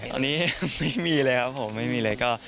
ตอนนี้ไม่มีเลยครับผมไม่มีเลยก็